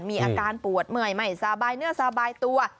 มีอาการปวดเมื่อยไม่สบายเนื้อสบายตัว